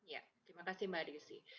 ya terima kasih mbak desi